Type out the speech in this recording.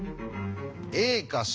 ＡかＣ